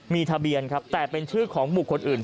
มีทะเบียนครับแต่เป็นชื่อของบุคคลอื่น